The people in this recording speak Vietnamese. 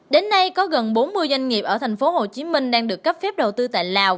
đến nay có gần bốn mươi doanh nghiệp ở tp hcm đang được cấp phép đầu tư tại lào